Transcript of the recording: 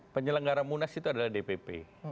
penyelenggara munas itu adalah dpp